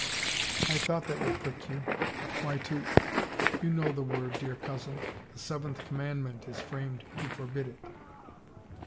" I thought that would prick you. Why to — you know the word, dear cousin. The seventh command ment is framed to forbid it."